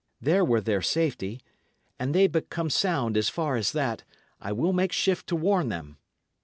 There were their safety. An they but come sound as far as that, I will make shift to warn them.